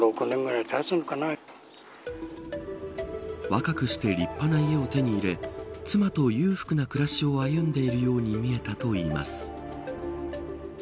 若くして立派な家を手に入れ妻と裕福な暮らしを歩んでいるように見えたといいます。